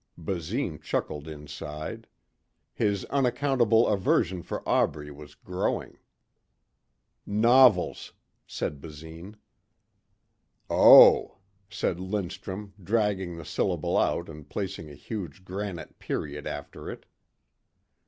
Basine chuckled inside. His unaccountable aversion for Aubrey was growing. "Novels," said Basine. "Oh," said Lindstrum dragging the syllable out and placing a huge granite period after it.